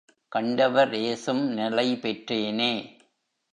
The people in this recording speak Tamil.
கண்டவர் ஏசும் நிலைபெற்றேனே!